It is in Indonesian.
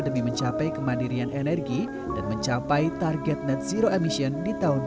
demi mencapai kemandirian energi dan mencapai target net zero emission di tepung